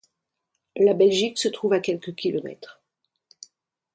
La Belgique se trouve à quelques kilomètres.